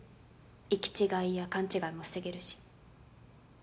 行き違いや勘違いも防げるし。